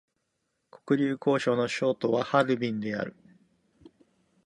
黒竜江省の省都はハルビンである